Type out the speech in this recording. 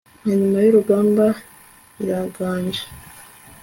Nka nyuma yurugamba iraganje